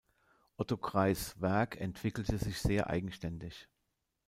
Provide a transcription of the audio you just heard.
Otto Greis' Werk entwickelte sich sehr eigenständig.